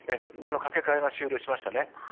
掛け替えが終了しました。